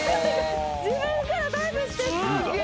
自分からダイブしてったすげえ！